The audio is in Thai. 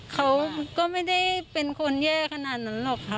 เขาก็ไม่ได้เป็นคนแย่ขนาดนั้นหรอกค่ะ